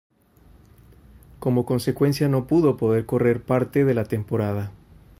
Como consecuencia no pudo poder correr parte de la temporada.